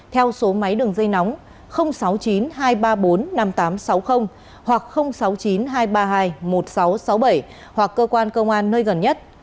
theo số máy đường dây nóng sáu mươi chín hai trăm ba mươi bốn năm nghìn tám trăm sáu mươi hoặc sáu mươi chín hai trăm ba mươi hai một nghìn sáu trăm sáu mươi bảy hoặc cơ quan công an nơi gần nhất